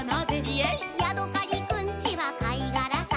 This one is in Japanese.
「ヤドカリくんちはかいがらさ」